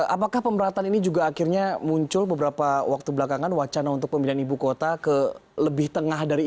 apakah pemerataan ini juga akhirnya muncul beberapa waktu belakangan wacana untuk pemindahan ibu kota ke lebih tengah dari